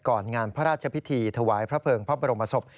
งานพระราชพิธีถวายพระเภิงพระบรมศพ